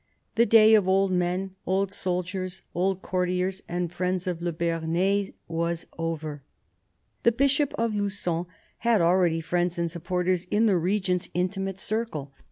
The day of old men, old soldiers, old courtiers and friends of "le Bearnais," was over. The Bishop of LuQon had already friends and supporters in the Regent's intimate circle.